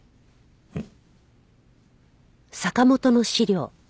うん。